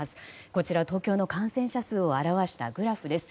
こちら東京の感染者数を表したグラフです。